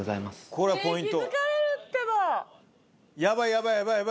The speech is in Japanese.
これはポイント。